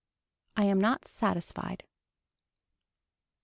I am not satisfied.